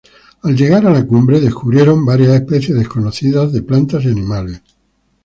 Al llegar a la cumbre, descubrieron varias especies desconocidas de plantas y animales.